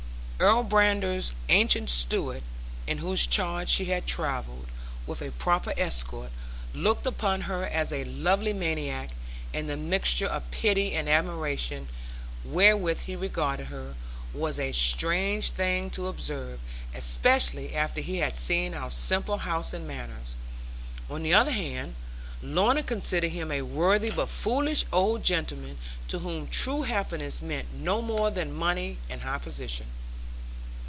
Earl Brandir's ancient steward, in whose charge she had travelled, with a proper escort, looked upon her as a lovely maniac; and the mixture of pity and admiration wherewith he regarded her, was a strange thing to observe; especially after he had seen our simple house and manners. On the other hand, Lorna considered him a worthy but foolish old gentleman; to whom true happiness meant no more than money and high position.